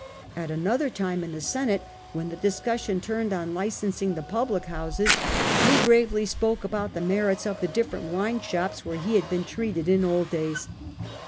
At another time, in the Senate, when the discussion turned on licensing the public houses, he gravely spoke about the merits of the different wine shops where he had been treated in old days.